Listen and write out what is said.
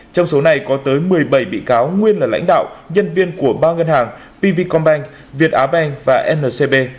trong số này có tới một mươi bảy bị cáo nguyên là lãnh đạo nhân viên của ba ngân hàng pv combank việt á bank và ncb